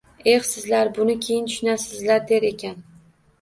– Eh, sizlar buni keyin tushunasizlar! –der ekan.